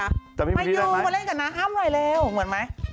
มายูมาเล่นกับน้าอ้ำหน่อยเร็วเหมือนไหม